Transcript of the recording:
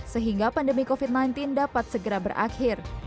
sehingga pandemi covid sembilan belas dapat segera berakhir